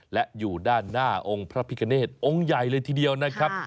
และอยู่ด้านหน้าองค์พระพิกเนธองค์ใหญ่เลยทีเดียวนะครับ